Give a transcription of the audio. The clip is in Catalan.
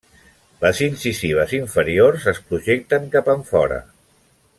Les incisives inferiors es projecten cap enfora.